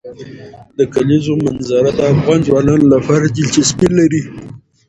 د کلیزو منظره د افغان ځوانانو لپاره دلچسپي لري.